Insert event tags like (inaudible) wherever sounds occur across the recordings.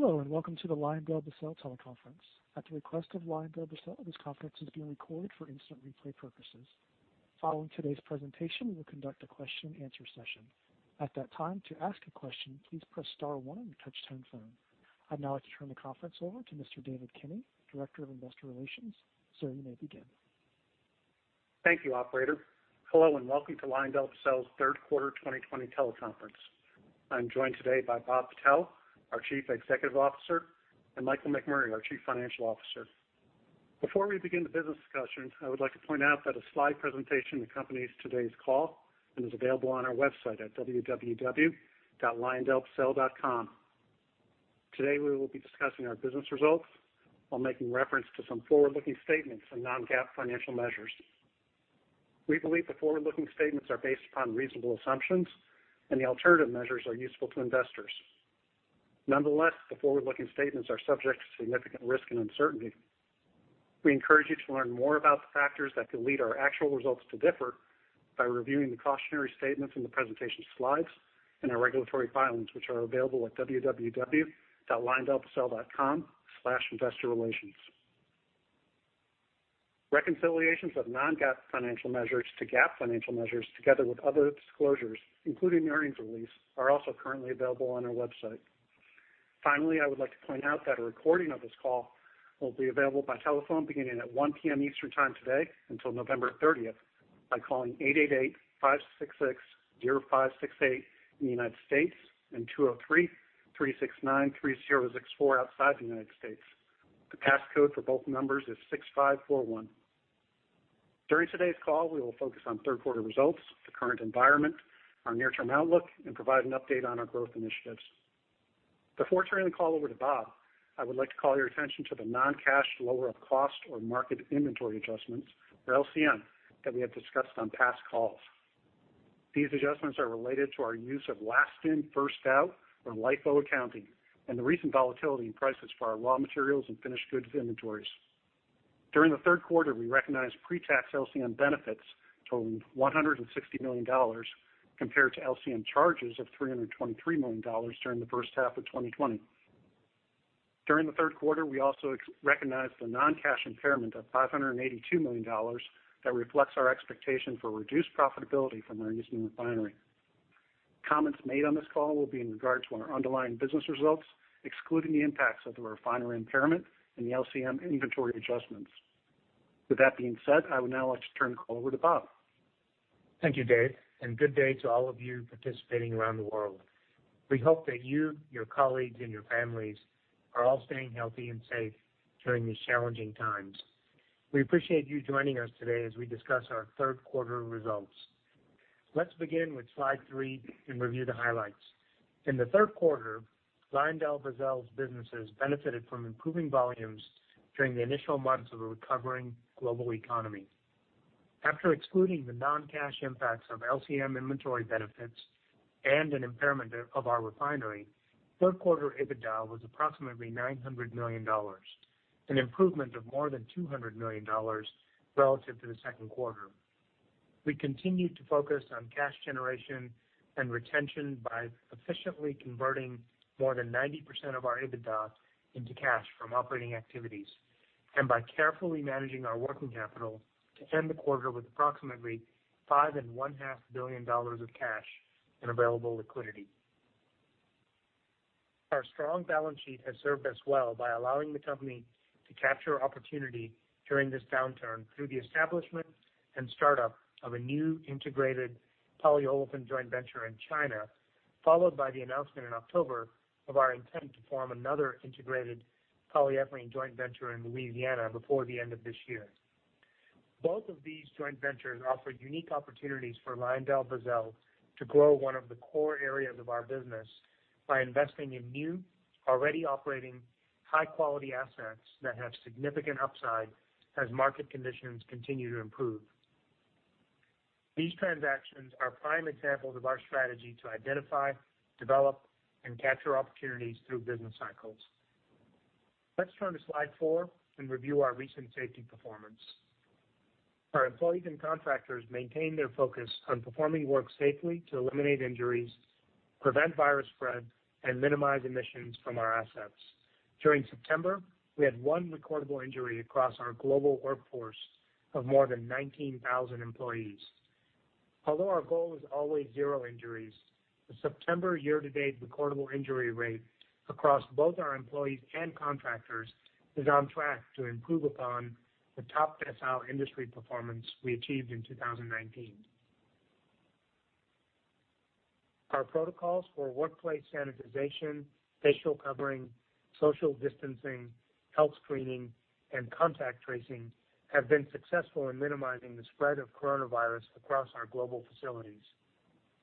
Hello, and welcome to the LyondellBasell teleconference. At the request of LyondellBasell this conference is being recorded for instant replay purposes. Following today's presentation, we will conduct a question-and-answer session. At that time, to ask a question, please press star one on your touch phone. I'd now like to turn the conference over to Mr. David Kinney, Director of Investor Relations. Sir, you may begin. Thank you, operator. Hello, and welcome to LyondellBasell's third quarter 2020 teleconference. I'm joined today by Bob Patel, our Chief Executive Officer, and Michael McMurray, our Chief Financial Officer. Before we begin the business discussion, I would like to point out that a slide presentation accompanies today's call and is available on our website at www.lyondellbasell.com. Today, we will be discussing our business results while making reference to some forward-looking statements and non-GAAP financial measures. We believe the forward-looking statements are based upon reasonable assumptions and the alternative measures are useful to investors. Nonetheless, the forward-looking statements are subject to significant risk and uncertainty. We encourage you to learn more about the factors that could lead our actual results to differ by reviewing the cautionary statements in the presentation slides and our regulatory filings which are available at www.lyondellbasell.com/investorrelations. Reconciliations of non-GAAP financial measures to GAAP financial measures, together with other disclosures, including earnings release, are also currently available on our website. Finally, I would like to point out that a recording of this call will be available by telephone beginning at 1:00 P.M. Eastern Time today until November 30th by calling 888-566-0568 in the United States and 203-369-3064 outside the United States. The pass code for both numbers is 6541. During today's call, we will focus on third-quarter results, the current environment, our near-term outlook, and provide an update on our growth initiatives. Before turning the call over to Bob, I would like to call your attention to the non-cash lower of cost or market inventory adjustments, or LCM, that we have discussed on past calls. These adjustments are related to our use of last in, first out, or LIFO accounting and the recent volatility in prices for our raw materials and finished goods inventories. During the third quarter, we recognized pre-tax LCM benefits totaling $160 million compared to LCM charges of $323 million during the first half of 2020. During the third quarter, we also recognized a non-cash impairment of $582 million that reflects our expectation for reduced profitability from our Houston Refinery. Comments made on this call will be in regards to our underlying business results excluding the impacts of the refinery impairment and the LCM inventory adjustments. With that being said, I would now like to turn the call over to Bob. Thank you, Dave, and good day to all of you participating around the world. We hope that you, your colleagues, and your families are all staying healthy and safe during these challenging times. We appreciate you joining us today as we discuss our third-quarter results. Let's begin with slide three and review the highlights. In the third quarter, LyondellBasell's businesses benefited from improving volumes during the initial months of a recovering global economy. After excluding the non-cash impacts of LCM inventory benefits and an impairment of our refinery, third-quarter EBITDA was approximately $900 million, an improvement of more than $200 million relative to the second quarter. We continued to focus on cash generation and retention by efficiently converting more than 90% of our EBITDA into cash from operating activities and by carefully managing our working capital to end the quarter with approximately $5.5 billion of cash and available liquidity. Our strong balance sheet has served us well by allowing the company to capture opportunity during this downturn through the establishment and startup of a new integrated polyolefin joint venture in China, followed by the announcement in October of our intent to form another integrated polyethylene joint venture in Louisiana before the end of this year. Both of these joint ventures offer unique opportunities for LyondellBasell to grow one of the core areas of our business by investing in new, already operating high-quality assets that have significant upside as market conditions continue to improve. These transactions are prime examples of our strategy to identify, develop, and capture opportunities through business cycles. Let's turn to slide four and review our recent safety performance. Our employees and contractors maintain their focus on performing work safely to eliminate injuries, prevent virus spread, and minimize emissions from our assets. During September, we had one recordable injury across our global workforce of more than 19,000 employees. Although our goal is always zero injuries, the September year-to-date recordable injury rate across both our employees and contractors is on track to improve upon the top decile industry performance we achieved in 2019. Our protocols for workplace sanitization, facial covering, social distancing, health screening, and contact tracing have been successful in minimizing the spread of coronavirus across our global facilities.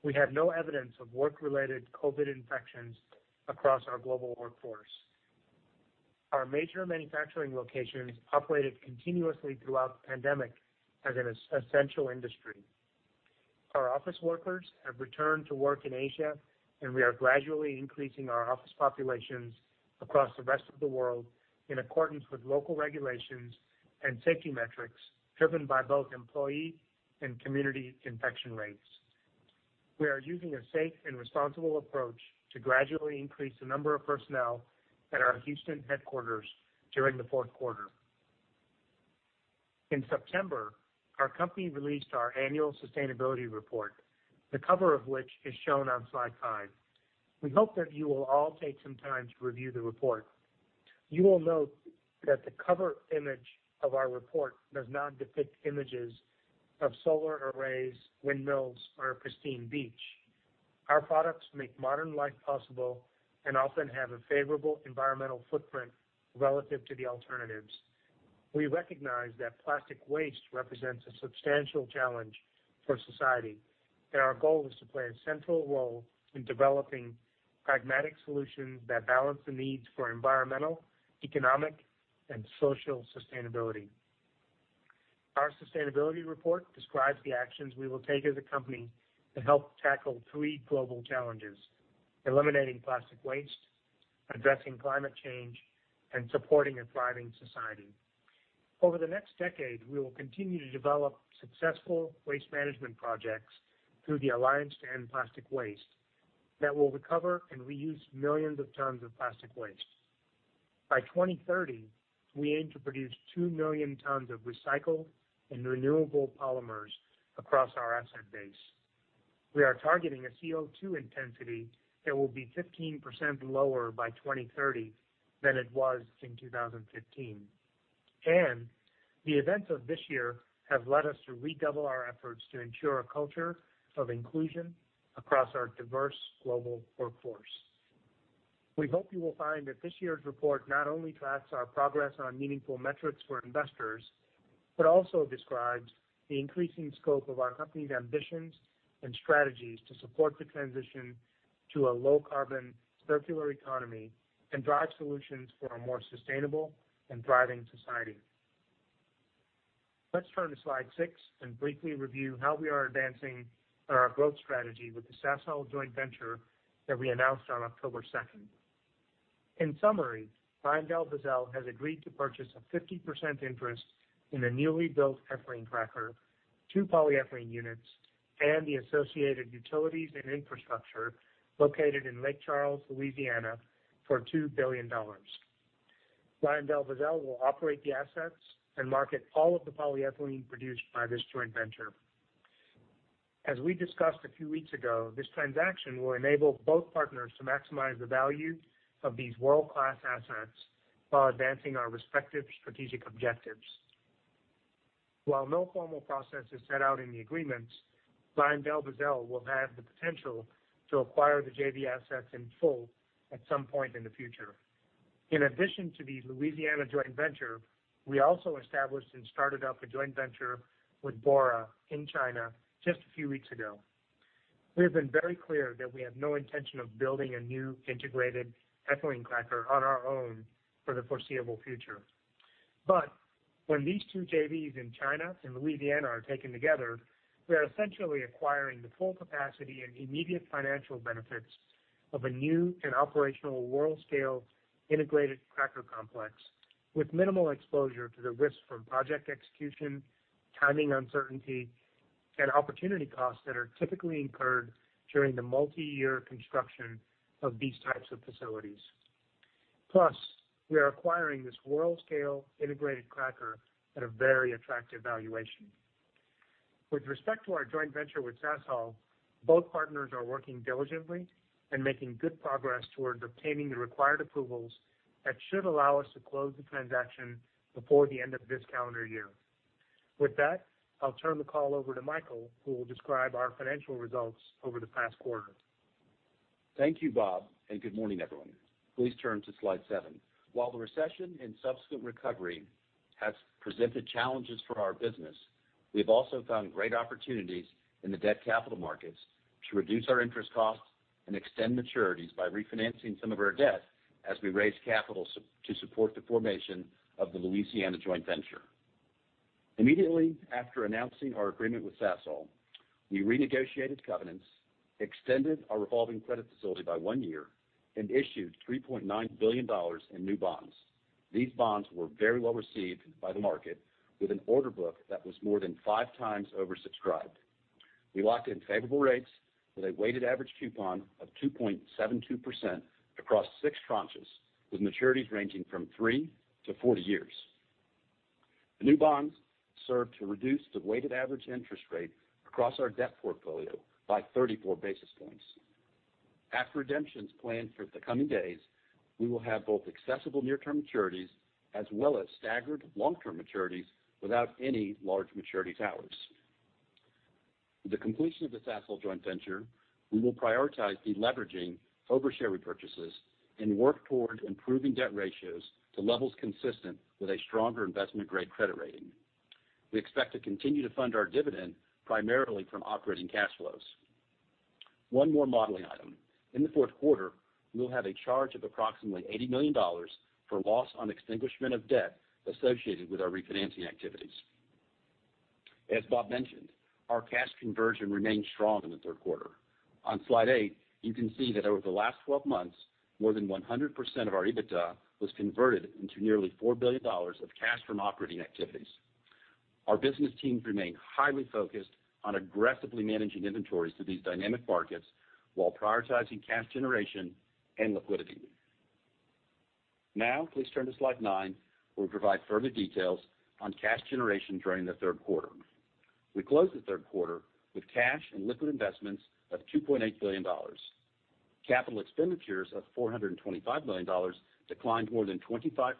We have no evidence of work-related COVID infections across our global workforce. Our major manufacturing locations operated continuously throughout the pandemic as an essential industry. Our office workers have returned to work in Asia, and we are gradually increasing our office populations across the rest of the world in accordance with local regulations and safety metrics driven by both employee and community infection rates. We are using a safe and responsible approach to gradually increase the number of personnel at our Houston headquarters during the fourth quarter. In September, our company released our annual sustainability report, the cover of which is shown on slide nine. We hope that you will all take some time to review the report. You will note that the cover image of our report does not depict images of solar arrays, windmills, or a pristine beach. Our products make modern life possible and often have a favorable environmental footprint relative to the alternatives. We recognize that plastic waste represents a substantial challenge for society, and our goal is to play a central role in developing pragmatic solutions that balance the needs for environmental, economic, and social sustainability. Our sustainability report describes the actions we will take as a company to help tackle three global challenges: eliminating plastic waste, addressing climate change, and supporting a thriving society. Over the next decade, we will continue to develop successful waste management projects through the Alliance to End Plastic Waste that will recover and reuse millions of tons of plastic waste. By 2030, we aim to produce 2 million tons of recycled and renewable polymers across our asset base. We are targeting a CO2 intensity that will be 15% lower by 2030 than it was in 2015, and the events of this year have led us to redouble our efforts to ensure a culture of inclusion across our diverse global workforce. We hope you will find that this year's report not only tracks our progress on meaningful metrics for investors, but also describes the increasing scope of our company's ambitions and strategies to support the transition to a low-carbon, circular economy and drive solutions for a more sustainable and thriving society. Let's turn to slide six and briefly review how we are advancing our growth strategy with the Sasol joint venture that we announced on October 2nd. In summary, LyondellBasell has agreed to purchase a 50% interest in a newly built ethylene cracker, two polyethylene units, and the associated utilities and infrastructure located in Lake Charles, Louisiana, for $2 billion. LyondellBasell will operate the assets and market all of the polyethylene produced by this joint venture. As we discussed a few weeks ago, this transaction will enable both partners to maximize the value of these world-class assets while advancing our respective strategic objectives. While no formal process is set out in the agreements, LyondellBasell will have the potential to acquire the JV assets in full at some point in the future. In addition to the Louisiana joint venture, we also established and started up a joint venture with Bora in China just a few weeks ago. We have been very clear that we have no intention of building a new integrated ethylene cracker on our own for the foreseeable future. When these two JVs in China and Louisiana are taken together, we are essentially acquiring the full capacity and immediate financial benefits of a new and operational world-scale integrated cracker complex with minimal exposure to the risks from project execution, timing uncertainty, and opportunity costs that are typically incurred during the multi-year construction of these types of facilities. Plus, we are acquiring this world-scale integrated cracker at a very attractive valuation. With respect to our joint venture with Bora, both partners are working diligently and making good progress towards obtaining the required approvals that should allow us to close the transaction before the end of this calendar year. With that, I'll turn the call over to Michael, who will describe our financial results over the past quarter. Thank you, Bob, and good morning, everyone. Please turn to slide seven. While the recession and subsequent recovery has presented challenges for our business, we've also found great opportunities in the debt capital markets to reduce our interest costs and extend maturities by refinancing some of our debt as we raise capital to support the formation of the Louisiana joint venture. Immediately after announcing our agreement with Bora, we renegotiated covenants, extended our revolving credit facility by one year, and issued $3.9 billion in new bonds. These bonds were very well received by the market with an order book that was more than 5x oversubscribed. We locked in favorable rates with a weighted average coupon of 2.72% across six tranches, with maturities ranging from three-four years. The new bonds serve to reduce the weighted average interest rate across our debt portfolio by 34 basis points. After redemptions planned for the coming days, we will have both accessible near-term maturities as well as staggered long-term maturities without any large maturity towers. With the completion of the Bora joint venture, we will prioritize deleveraging over share repurchases and work towards improving debt ratios to levels consistent with a stronger investment-grade credit rating. We expect to continue to fund our dividend primarily from operating cash flows. One more modeling item. In the fourth quarter, we will have a charge of approximately $80 million for loss on extinguishment of debt associated with our refinancing activities. As Bob mentioned, our cash conversion remained strong in the third quarter. On slide eight, you can see that over the last 12 months, more than 100% of our EBITDA was converted into nearly $4 billion of cash from operating activities. Our business teams remain highly focused on aggressively managing inventories through these dynamic markets while prioritizing cash generation and liquidity. Now please turn to slide nine, where we provide further details on cash generation during the third quarter. We closed the third quarter with cash and liquid investments of $2.8 billion. Capital expenditures of $425 million declined more than 25%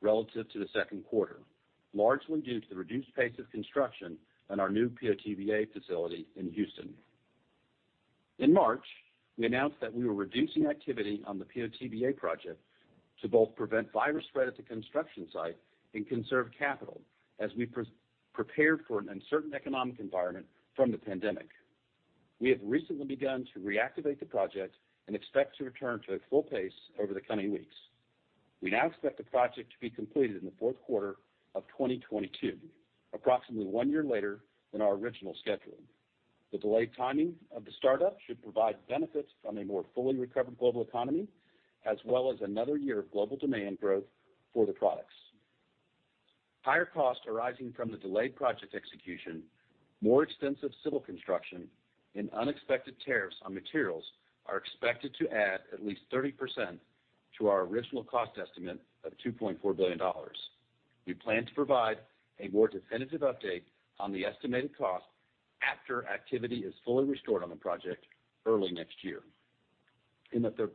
relative to the second quarter, largely due to the reduced pace of construction on our new PO/TBA facility in Houston. In March, we announced that we were reducing activity on the PO/TBA project to both prevent virus spread at the construction site and conserve capital as we prepared for an uncertain economic environment from the pandemic. We have recently begun to reactivate the project and expect to return to a full pace over the coming weeks. We now expect the project to be completed in the fourth quarter of 2022, approximately one year later than our original scheduling. The delayed timing of the startup should provide benefits from a more fully recovered global economy, as well as another year of global demand growth for the products. Higher costs arising from the delayed project execution, more extensive civil construction, and unexpected tariffs on materials are expected to add at least 30% to our original cost estimate of $2.4 billion. We plan to provide a more definitive update on the estimated cost after activity is fully restored on the project early next year. In the third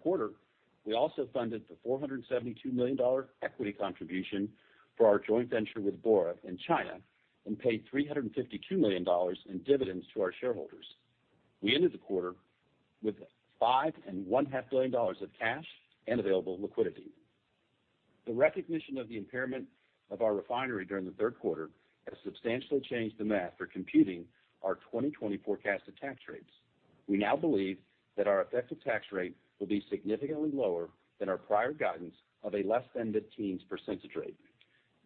quarter, we also funded the $472 million equity contribution for our joint venture with Bora in China and paid $352 million in dividends to our shareholders. We ended the quarter with $5.5 billion of cash and available liquidity. The recognition of the impairment of our refinery during the third quarter has substantially changed the math for computing our 2020 forecasted tax rates. We now believe that our effective tax rate will be significantly lower than our prior guidance of a less than mid-teens percentage rate.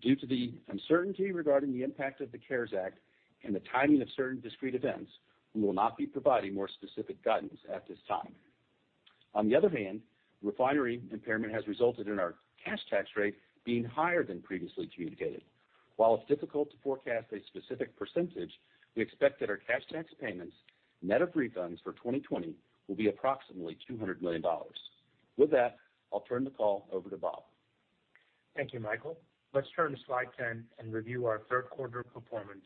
Due to the uncertainty regarding the impact of the CARES Act and the timing of certain discrete events, we will not be providing more specific guidance at this time. On the other hand, refinery impairment has resulted in our cash tax rate being higher than previously communicated. While it's difficult to forecast a specific percentage, we expect that our cash tax payments, net of refunds for 2020, will be approximately $200 million. With that, I'll turn the call over to Bob. Thank you, Michael. Let's turn to slide 10 and review our third-quarter performance.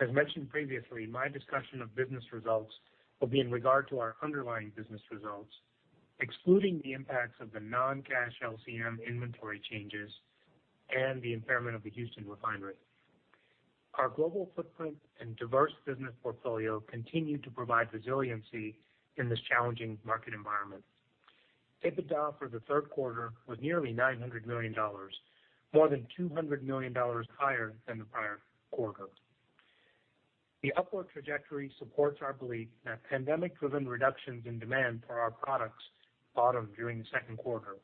As mentioned previously, my discussion of business results will be in regard to our underlying business results, excluding the impacts of the non-cash LCM inventory changes and the impairment of the Houston Refinery. Our global footprint and diverse business portfolio continue to provide resiliency in this challenging market environment. EBITDA for the third quarter was nearly $900 million, more than $200 million higher than the prior quarter. The upward trajectory supports our belief that pandemic-driven reductions in demand for our products bottomed during the second quarter.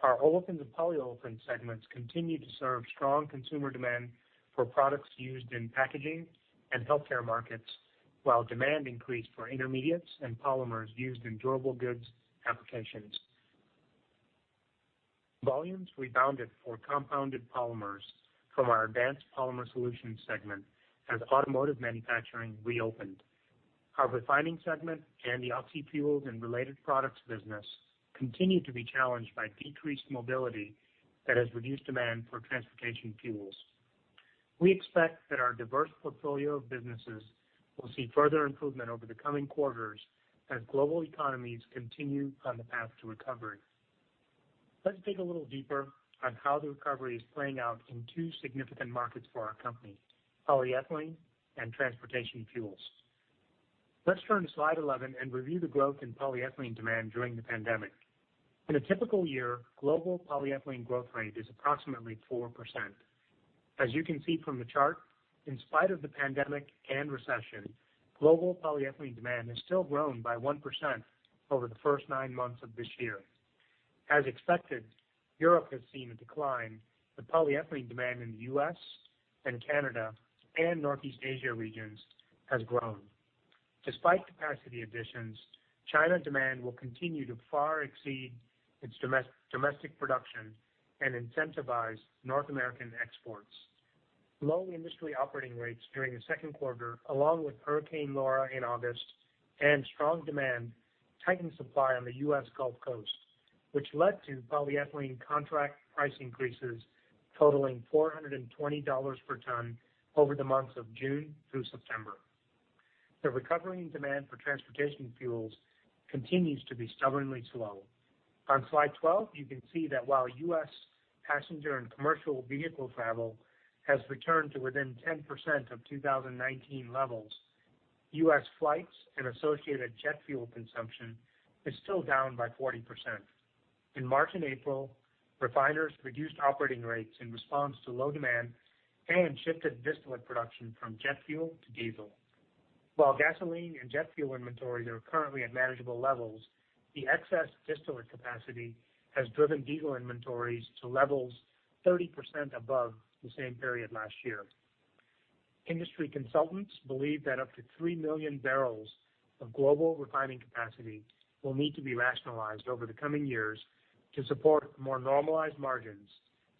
Our Olefins and Polyolefins segments continue to serve strong consumer demand for products used in packaging and healthcare markets, while demand increased for intermediates and polymers used in durable goods applications. Volumes rebounded for compounded polymers from our Advanced Polymer Solutions segment as automotive manufacturing reopened. Our refining segment and the Oxyfuels and related products business continue to be challenged by decreased mobility that has reduced demand for transportation fuels. We expect that our diverse portfolio of businesses will see further improvement over the coming quarters as global economies continue on the path to recovery. Let's dig a little deeper on how the recovery is playing out in two significant markets for our company, polyethylene and transportation fuels. Let's turn to slide 11 and review the growth in polyethylene demand during the pandemic. In a typical year, global polyethylene growth rate is approximately 4%. As you can see from the chart, in spite of the pandemic and recession, global polyethylene demand has still grown by 1% over the first nine months of this year. As expected, Europe has seen a decline, polyethylene demand in the U.S. and Canada and Northeast Asia regions has grown. Despite capacity additions, China demand will continue to far exceed its domestic production and incentivize North American exports. Low industry operating rates during the second quarter, along with Hurricane Laura in August and strong demand tightened supply on the U.S. Gulf Coast, which led to polyethylene contract price increases totaling $420 per ton over the months of June through September. The recovery in demand for transportation fuels continues to be stubbornly slow. On slide 12, you can see that while U.S. passenger and commercial vehicle travel has returned to within 10% of 2019 levels, U.S. flights and associated jet fuel consumption is still down by 40%. In March and April, refiners reduced operating rates in response to low demand and shifted distillate production from jet fuel to diesel. While gasoline and jet fuel inventories are currently at manageable levels, the excess distillate capacity has driven diesel inventories to levels 30% above the same period last year. Industry consultants believe that up to 3 million barrels of global refining capacity will need to be rationalized over the coming years to support more normalized margins,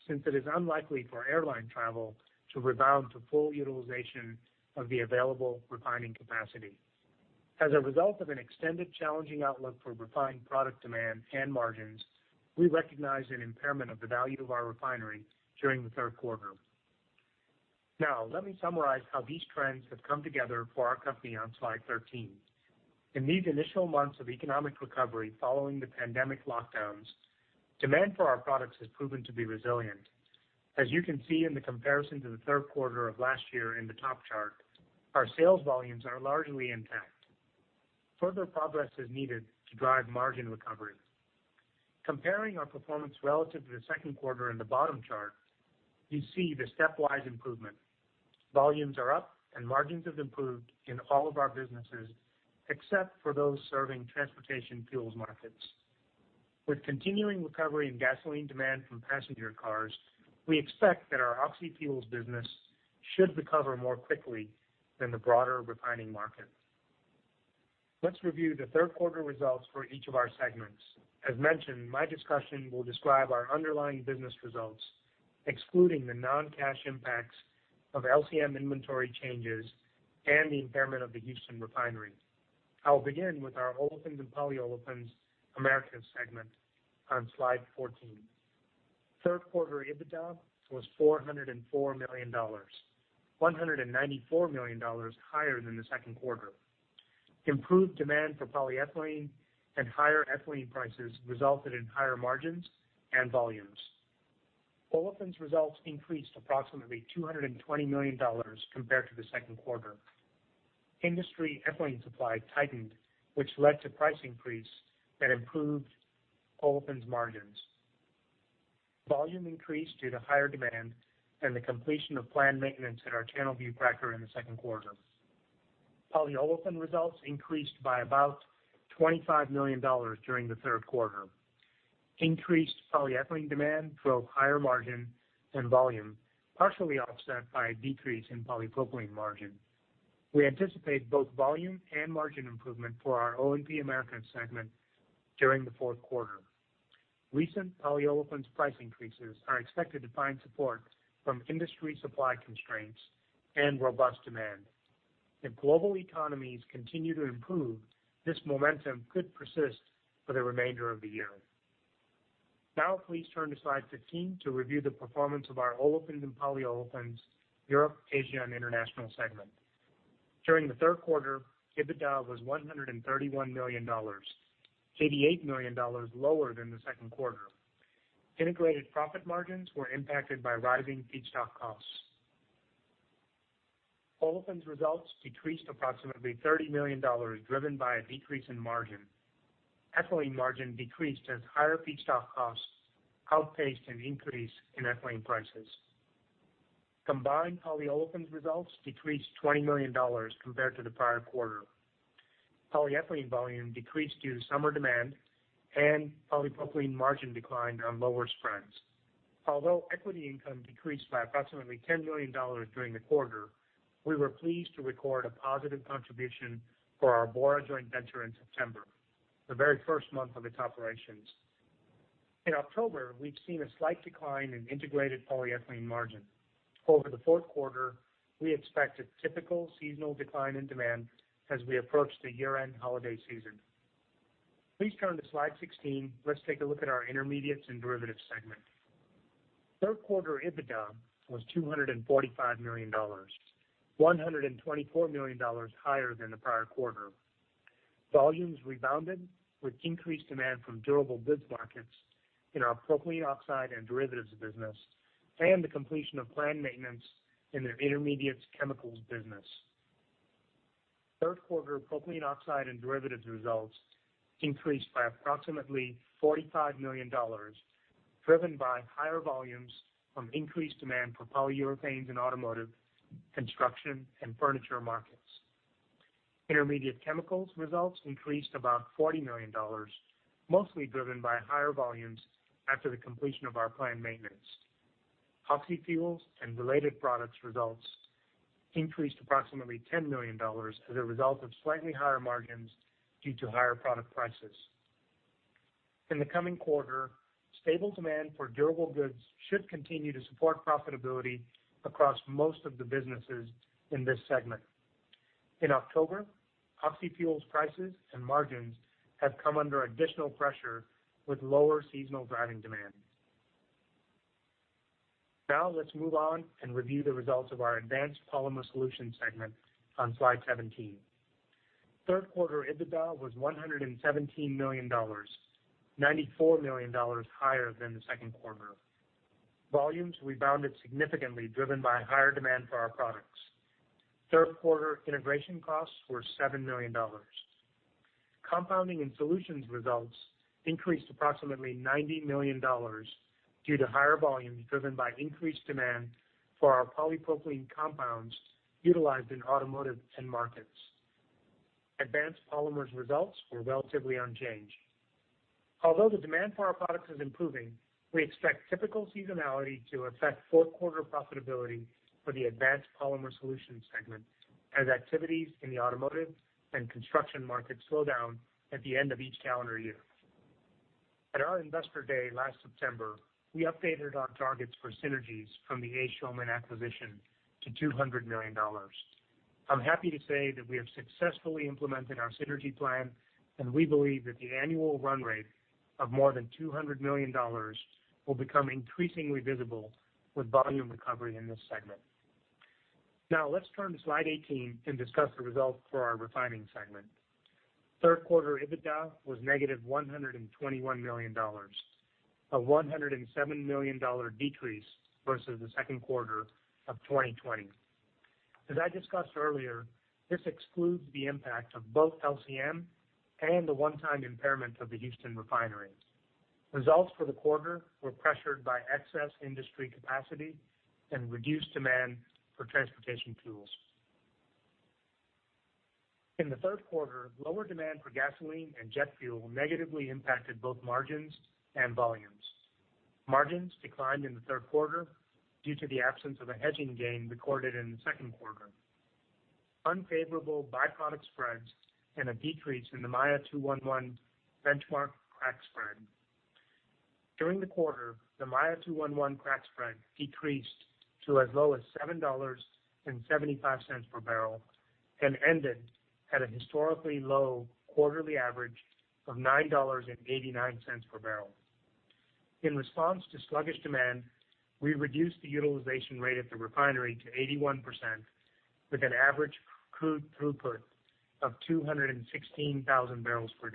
since it is unlikely for airline travel to rebound to full utilization of the available refining capacity. As a result of an extended challenging outlook for refined product demand and margins, we recognized an impairment of the value of our refinery during the third quarter. Now, let me summarize how these trends have come together for our company on slide 13. In these initial months of economic recovery following the pandemic lockdowns, demand for our products has proven to be resilient. As you can see in the comparison to the third quarter of last year in the top chart, our sales volumes are largely intact. Further progress is needed to drive margin recovery. Comparing our performance relative to the second quarter in the bottom chart, you see the stepwise improvement. Volumes are up and margins have improved in all of our businesses except for those serving transportation fuels markets. With continuing recovery in gasoline demand from passenger cars, we expect that our Oxyfuels business should recover more quickly than the broader refining market. Let's review the third quarter results for each of our segments. As mentioned, my discussion will describe our underlying business results, excluding the non-cash impacts of LCM inventory changes and the impairment of the Houston Refinery. I'll begin with our Olefins and Polyolefins, Americas segment on slide 14. Third quarter EBITDA was $404 million, $194 million higher than the second quarter. Improved demand for polyethylene and higher ethylene prices resulted in higher margins and volumes. Olefins results increased approximately $220 million compared to the second quarter. Industry ethylene supply tightened, which led to price increase that improved Olefins margins. Volume increased due to higher demand and the completion of planned maintenance at our Channelview cracker in the second quarter. Polyolefin results increased by about $25 million during the third quarter. Increased polyethylene demand drove higher margin and volume, partially offset by a decrease in polypropylene margin. We anticipate both volume and margin improvement for our O&P Americas segment during the fourth quarter. Recent polyolefins price increases are expected to find support from industry supply constraints and robust demand. If global economies continue to improve, this momentum could persist for the remainder of the year. Now please turn to slide 15 to review the performance of our Olefins and Polyolefins, Europe, Asia, and International segment. During the third quarter, EBITDA was $131 million, $88 million lower than the second quarter. Integrated profit margins were impacted by rising feedstock costs. Olefins results decreased approximately $30 million, driven by a decrease in margin. Ethylene margin decreased as higher feedstock costs outpaced an increase in ethylene prices. Combined Polyolefins results decreased $20 million compared to the prior quarter. Polyethylene volume decreased due to summer demand and polypropylene margin declined on lower spreads. Although equity income decreased by approximately $10 million during the quarter, we were pleased to record a positive contribution for our Bora joint venture in September, the very first month of its operations. In October, we've seen a slight decline in integrated polyethylene margin. Over the fourth quarter, we expect a typical seasonal decline in demand as we approach the year-end holiday season. Please turn to slide 16. Let's take a look at our Intermediates and Derivatives segment. Third quarter EBITDA was $245 million, $124 million higher than the prior quarter. Volumes rebounded with increased demand from durable goods markets in our propylene oxide and derivatives business and the completion of planned maintenance in the intermediates chemicals business. Third quarter propylene oxide and derivatives results increased by approximately $45 million, driven by higher volumes from increased demand for polyurethanes in automotive, construction, and furniture markets. Intermediate chemicals results increased about $40 million, mostly driven by higher volumes after the completion of our planned maintenance. Oxyfuels and related products results increased approximately $10 million as a result of slightly higher margins due to higher product prices. In the coming quarter, stable demand for durable goods should continue to support profitability across most of the businesses in this segment. In October, Oxyfuels prices and margins have come under additional pressure with lower seasonal driving demand. Now let's move on and review the results of our Advanced Polymer Solutions segment on slide 17. Third quarter EBITDA was $117 million, $94 million higher than the second quarter. Volumes rebounded significantly, driven by higher demand for our products. Third quarter integration costs were $7 million. Compounding and solutions results increased approximately $90 million due to higher volumes driven by increased demand for our polypropylene compounds utilized in automotive end markets. Advanced Polymer Solutions results were relatively unchanged. Although the demand for our products is improving, we expect typical seasonality to affect fourth-quarter profitability for the Advanced Polymer Solutions segment as activities in the automotive and construction markets slow down at the end of each calendar year. At our Investor Day last September, we updated our targets for synergies from the A. Schulman acquisition to $200 million. We believe that the annual run rate of more than $200 million will become increasingly visible with volume recovery in this segment. Now, let's turn to slide 18 and discuss the results for our Refining segment. Third quarter EBITDA was -$121 million, a $107 million decrease versus the second quarter of 2020. As I discussed earlier, this excludes the impact of both LCM and the one-time impairment of the Houston Refinery. Results for the quarter were pressured by excess industry capacity and reduced demand for transportation fuels. In the third quarter, lower demand for gasoline and jet fuel negatively impacted both margins and volumes. Margins declined in the third quarter due to the absence of a hedging gain recorded in the second quarter, unfavorable by-product spreads, and a decrease in the Maya 2-1-1 benchmark crack spread. During the quarter, the Maya 2-1-1 crack spread decreased to as low as $7.75 per barrel and ended at a historically low quarterly average of $9.89 per barrel. In response to sluggish demand, we reduced the utilization rate at the Refinery to 81%, with an average crude throughput of 216,000 bpd.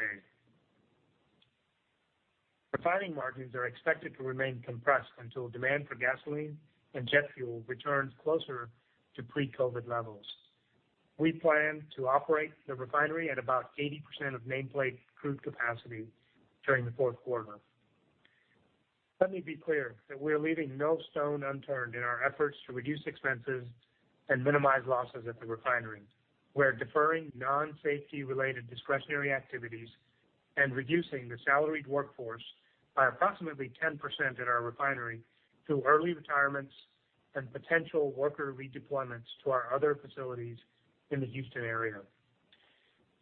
Refining margins are expected to remain compressed until demand for gasoline and jet fuel returns closer to pre-COVID levels. We plan to operate the refinery at about 80% of nameplate crude capacity during the fourth quarter. Let me be clear that we are leaving no stone unturned in our efforts to reduce expenses and minimize losses at the Refinery. We're deferring non-safety-related discretionary activities and reducing the salaried workforce by approximately 10% at our Refinery through early retirements and potential worker redeployments to our other facilities in the Houston area.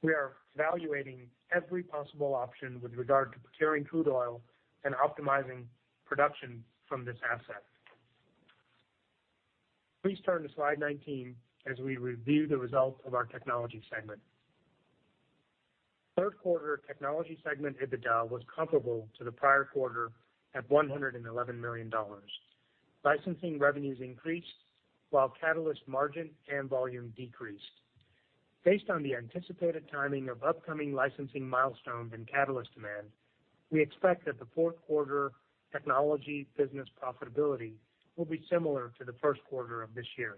We are evaluating every possible option with regard to procuring crude oil and optimizing production from this asset. Please turn to slide 19 as we review the results of our Technologies segment. Third-quarter technologies segment EBITDA was comparable to the prior quarter at $111 million. Licensing revenues increased while catalyst margin and volume decreased. Based on the anticipated timing of upcoming licensing milestones and catalyst demand, we expect that the fourth quarter technology business profitability will be similar to the first quarter of this year.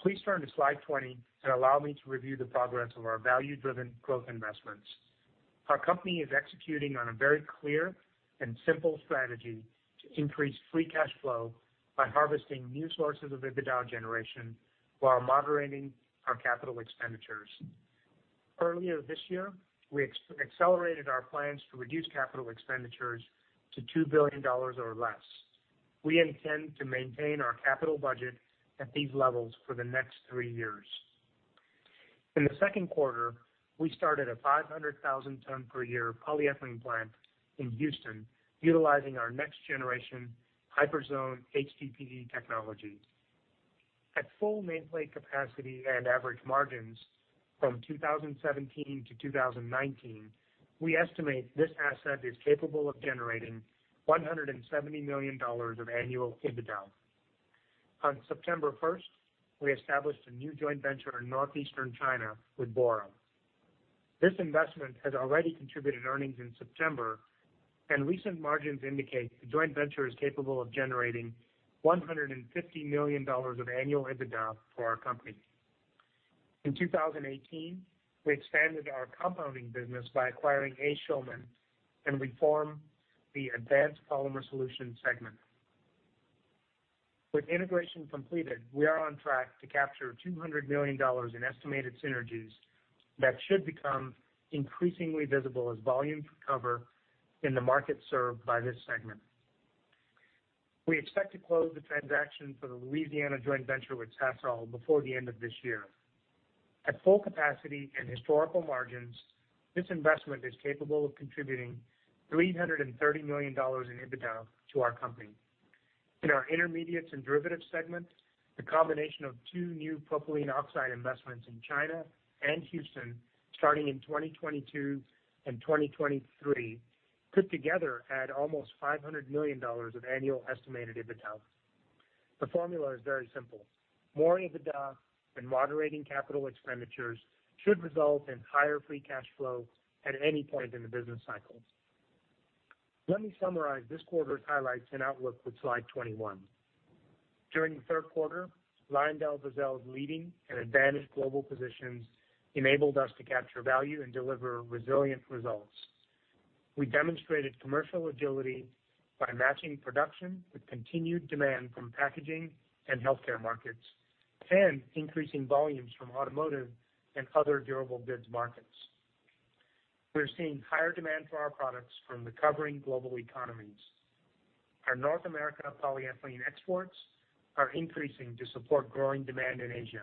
Please turn to slide 20 and allow me to review the progress of our value-driven growth investments. Our company is executing on a very clear and simple strategy to increase free cash flow by harvesting new sources of EBITDA generation while moderating our capital expenditures. Earlier this year, we accelerated our plans to reduce capital expenditures to $2 billion or less. We intend to maintain our capital budget at these levels for the next three years. In the second quarter, we started a 500,000-tonne-per-year-polyethylene plant in Houston utilizing our next generation Hyperzone HDPE technology. At full nameplate capacity and average margins from 2017-2019, we estimate this asset is capable of generating $170 million of annual EBITDA. On September 1st, we established a new joint venture in northeastern China with Bora. This investment has already contributed earnings in September, and recent margins indicate the joint venture is capable of generating $150 million of annual EBITDA for our company. In 2018, we expanded our compounding business by acquiring A. Schulman, and we form the Advanced Polymer Solutions segment. With integration completed, we are on track to capture $200 million in estimated synergies that should become increasingly visible as volumes recover in the markets served by this segment. We expect to close the transaction for the Louisiana joint venture with Sasol before the end of this year. At full capacity and historical margins, this investment is capable of contributing $330 million in EBITDA to our company. In our Intermediates and Derivatives segment, the combination of two new propylene oxide investments in China and Houston starting in 2022 and 2023 put together add almost $500 million of annual estimated EBITDA. The formula is very simple. More EBITDA and moderating capital expenditures should result in higher free cash flow at any point in the business cycle. Let me summarize this quarter's highlights and outlook with slide 21. During the third quarter, LyondellBasell's leading and advantaged global positions enabled us to capture value and deliver resilient results. We demonstrated commercial agility by matching production with continued demand from packaging and healthcare markets, and increasing volumes from automotive and other durable goods markets. We're seeing higher demand for our products from recovering global economies. Our North America polyethylene exports are increasing to support growing demand in Asia.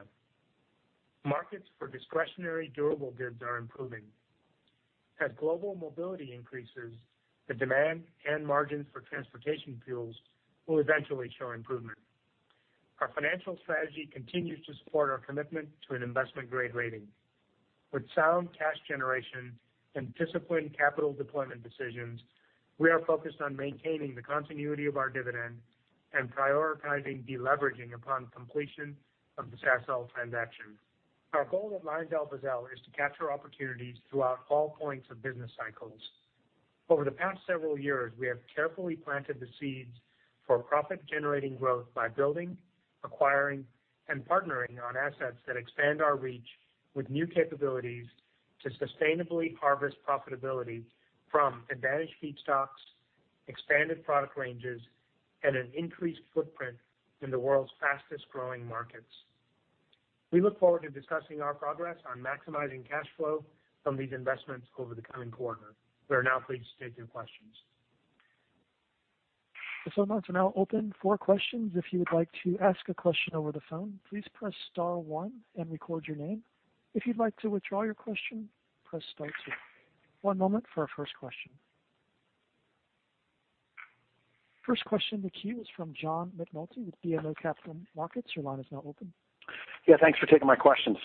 Markets for discretionary durable goods are improving. As global mobility increases, the demand and margins for transportation fuels will eventually show improvement. Our financial strategy continues to support our commitment to an investment-grade rating. With sound cash generation and disciplined capital deployment decisions, we are focused on maintaining the continuity of our dividend and prioritizing deleveraging upon completion of the Sasol transaction. Our goal at LyondellBasell is to capture opportunities throughout all points of business cycles. Over the past several years, we have carefully planted the seeds for profit-generating growth by building, acquiring, and partnering on assets that expand our reach with new capabilities to sustainably harvest profitability from advantaged feedstocks, expanded product ranges, and an increased footprint in the world's fastest-growing markets. We look forward to discussing our progress on maximizing cash flow from these investments over the coming quarter. We are now pleased to take your questions. I'm going to now open for questions. If you would like to ask a question over the phone, please press star one and record your name. If you'd like to withdraw your question, press star two. One moment for our first question. First question in the queue is from John McNulty with BMO Capital Markets. Your line is now open. Yeah, thanks for taking my question.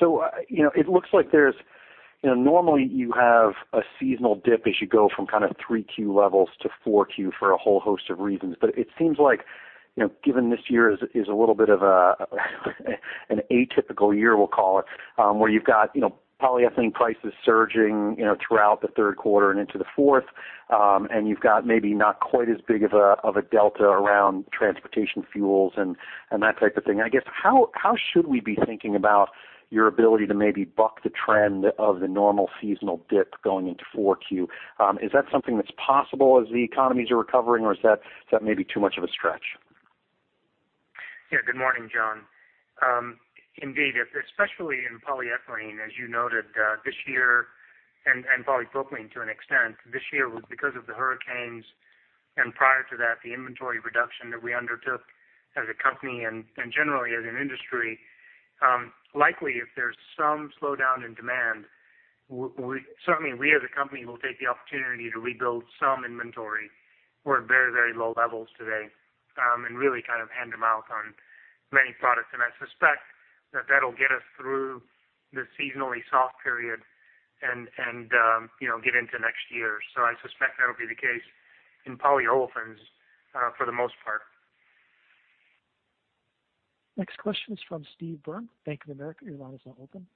Normally you have a seasonal dip as you go from kind of 3Q level to 4Q level for a whole host of reasons. It seems like, given this year is a little bit of an atypical year, we'll call it, where you've got polyethylene prices surging throughout the third quarter and into the fourth quarter. You've got maybe not quite as big of a delta around transportation fuels and that type of thing. I guess, how should we be thinking about your ability to maybe buck the trend of the normal seasonal dip going into 4Q? Is that something that's possible as the economies are recovering, or is that maybe too much of a stretch? Good morning, John. Indeed, especially in polyethylene, as you noted, this year, and polypropylene to an extent. This year was because of the hurricanes, and prior to that, the inventory reduction that we undertook as a company and generally as an industry. Likely, if there's some slowdown in demand, certainly we as a company will take the opportunity to rebuild some inventory. We're at very low levels today, and really kind of hand-to-mouth on many products. I suspect that that'll get us through the seasonally soft period and get into next year. I suspect that that'll be the case in polyolefins for the most part. Next question is from Steve Byrne, Bank of America. Your line is now open.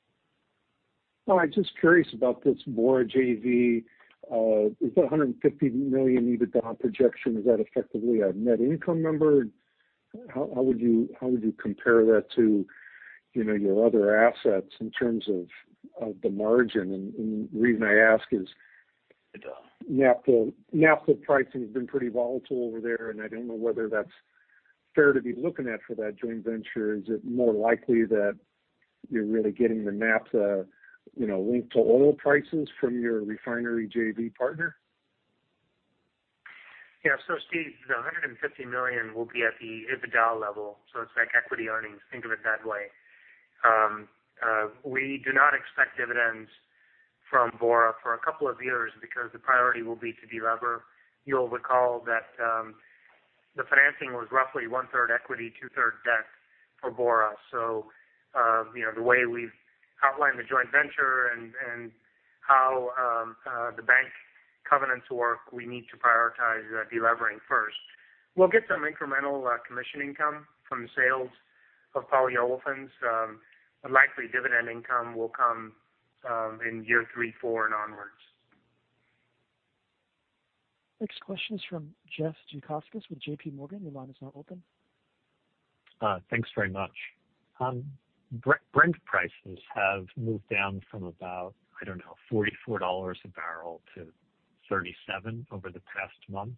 I'm just curious about this Bora JV. Is that $150 million EBITDA projection, is that effectively a net income number? How would you compare that to your other assets in terms of the margin? The reason I ask is naphtha pricing has been pretty volatile over there, and I don't know whether that's fair to be looking at for that joint venture. Is it more likely that you're really getting the naphtha linked to oil prices from your refinery JV partner? Yeah. Steve, the $150 million will be at the EBITDA level, so it's like equity earnings. Think of it that way. We do not expect dividends from Bora for a couple of years because the priority will be to delever. You'll recall that the financing was roughly 1/3 equity, 2/3 debt for Bora. The way we've outlined the joint venture and how the bank covenants work, we need to prioritize delevering first. We'll get some incremental commission income from the sales of polyolefins, but likely dividend income will come in year three, four, and onwards. Next question is from Jeff Zekauskas with JPMorgan. Your line is now open. Thanks very much. Brent prices have moved down from about, I don't know, $44 a barrel to $37 a barrel over the past month.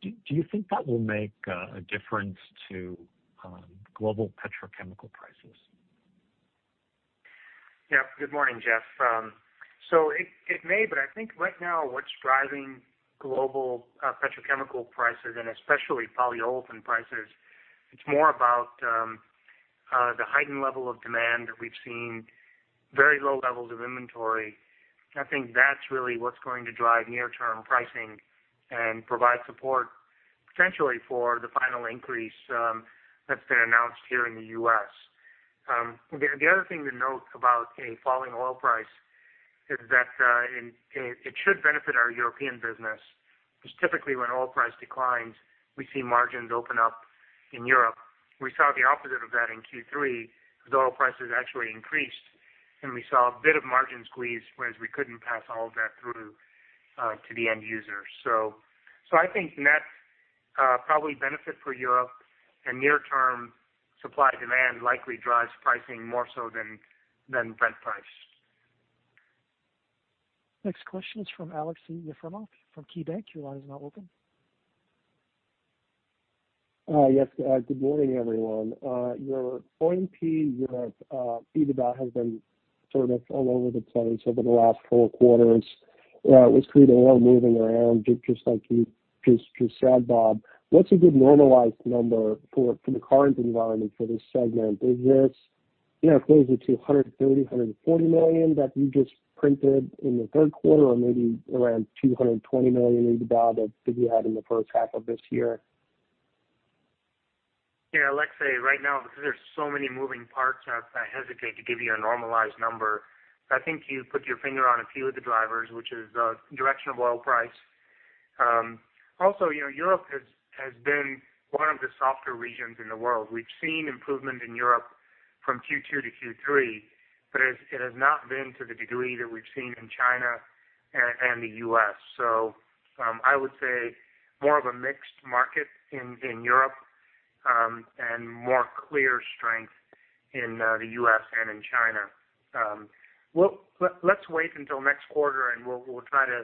Do you think that will make a difference to global petrochemical prices? Yeah. Good morning, Jeff. It may, but I think right now what's driving global petrochemical prices, and especially polyolefins prices, it's more about the heightened level of demand that we've seen, very low levels of inventory. I think that's really what's going to drive near-term pricing and provide support potentially for the final increase that's been announced here in the U.S. The other thing to note about a falling oil price is that it should benefit our European business, because typically when oil price declines, we see margins open up in Europe. We saw the opposite of that in Q3 because oil prices actually increased, and we saw a bit of margin squeeze, whereas we couldn't pass all of that through to the end user. I think net probably benefit for Europe and near-term supply demand likely drives pricing more so than Brent price. Next question is from Aleksey Yefremov from KeyBanc. Your line is now open. Yes. Good morning, everyone. Your Foreign PE, Europe EBITDA has been sort of all over the place over the last four quarters. With crude oil moving around, just like you just said, Bob. What's a good normalized number for the current environment for this segment? Is this closer to $130 million, $140 million that you just printed in the third quarter or maybe around $220 million EBITDA that you had in the first half of this year? Yeah, Aleksey, right now, because there's so many moving parts, I hesitate to give you a normalized number. I think you put your finger on a few of the drivers, which is direction of oil price. Europe has been one of the softer regions in the world. We've seen improvement in Europe from Q2-Q3, it has not been to the degree that we've seen in China and the U.S. I would say more of a mixed market in Europe, and more clear strength in the U.S. and in China. Let's wait until next quarter, we'll try to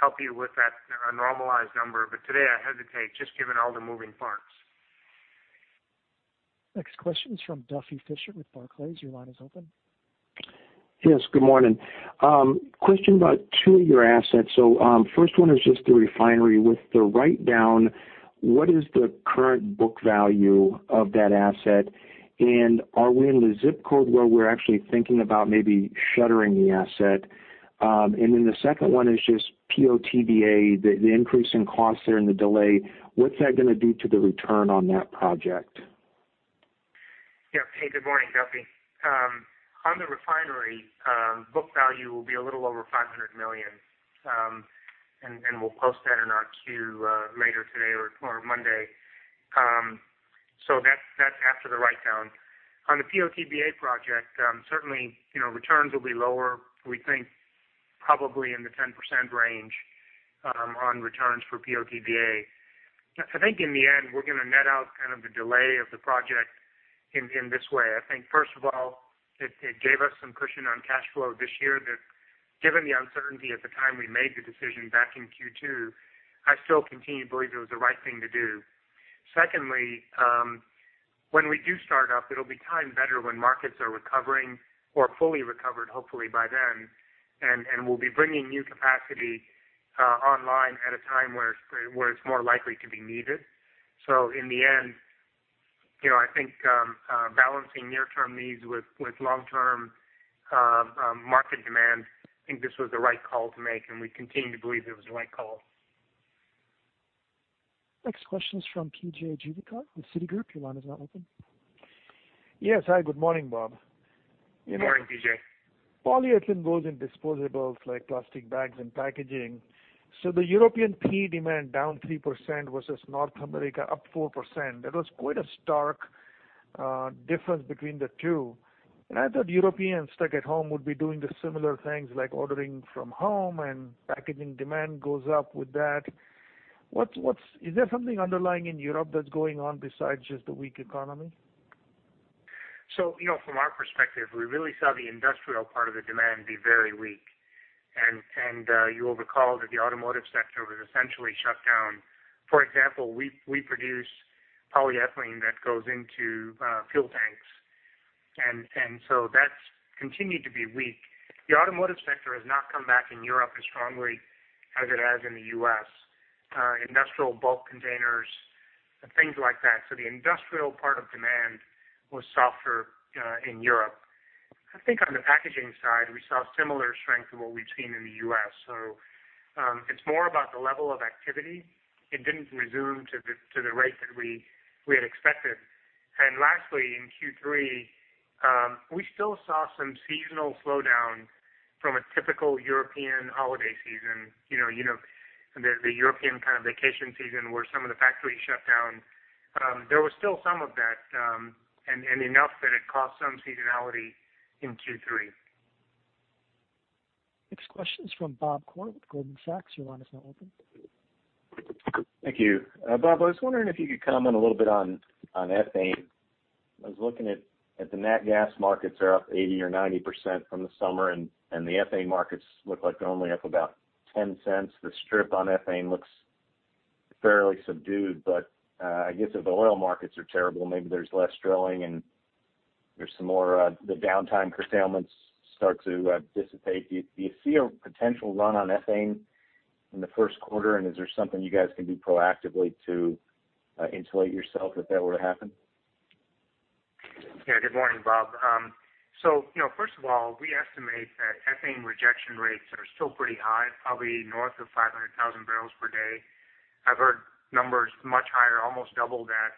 help you with that, a normalized number. Today, I hesitate just given all the moving parts. Next question is from Duffy Fischer with Barclays. Your line is open. Yes, good morning. Question about two of your assets. First one is just the Refinery. With the write-down, what is the current book value of that asset? Are we in the ZIP code where we're actually thinking about maybe shuttering the asset? The second one is just PO/TBA, the increase in costs there and the delay. What's that going to do to the return on that project? Yeah. Hey, good morning, Duffy. On the Refinery, book value will be a little over $500 million. We'll post that in our queue later today or Monday. That's after the write-down. On the PO/TBA project, certainly, returns will be lower, we think probably in the 10% range on returns for PO/TBA. I think in the end, we're going to net out kind of the delay of the project in this way. I think first of all, it gave us some cushion on cash flow this year that given the uncertainty at the time we made the decision back in Q2, I still continue to believe it was the right thing to do. Secondly, when we do start up, it'll be timed better when markets are recovering or fully recovered, hopefully by then. We'll be bringing new capacity online at a time where it's more likely to be needed. In the end, I think balancing near-term needs with long-term market demand, I think this was the right call to make, and we continue to believe it was the right call. Next question is from PJ Juvekar with Citigroup. Your line is now open. Yes. Hi, good morning, Bob. Morning, PJ. Polyethylene goes in disposables like plastic bags and packaging. The European PE demand down 3% versus North America up 4%. That was quite a stark difference between the two. I thought Europeans stuck at home would be doing the similar things like ordering from home and packaging demand goes up with that. Is there something underlying in Europe that's going on besides just the weak economy? From our perspective, we really saw the industrial part of the demand be very weak. You'll recall that the automotive sector was essentially shut down. For example, we produce polyethylene that goes into fuel tanks. That's continued to be weak. The automotive sector has not come back in Europe as strongly as it has in the U.S. Industrial bulk containers and things like that. The industrial part of demand was softer in Europe. I think on the packaging side, we saw similar strength to what we've seen in the U.S. It's more about the level of activity. It didn't resume to the rate that we had expected. Lastly, in Q3, we still saw some seasonal slowdown from a typical European holiday season, the European kind of vacation season where some of the factories shut down. There was still some of that, and enough that it caused some seasonality in Q3. Next question is from Bob Koort with Goldman Sachs. Your line is now open. Thank you. Bob, I was wondering if you could comment a little bit on ethane. I was looking at the natural gas markets are up 80% or 90% from the summer, and the ethane markets look like they're only up about $0.10. The strip on ethane looks fairly subdued, but I guess if the oil markets are terrible, maybe there's less drilling, and the downtime curtailments start to dissipate. Do you see a potential run on ethane in the first quarter, and is there something you guys can do proactively to insulate yourself if that were to happen? Yeah. Good morning, Bob. First of all, we estimate that ethane rejection rates are still pretty high, probably north of 500,000 bpd. I've heard numbers much higher, almost double that.